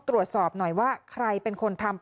ตรวจสอบหน่อยว่าใครเป็นคนทำ